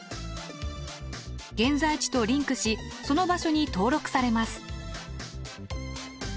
現在地とリンクしその場所に登録されます。